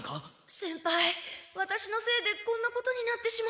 先輩ワタシのせいでこんなことになってしまって。